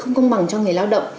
không công bằng cho người lao động